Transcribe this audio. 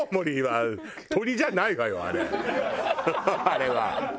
あれは。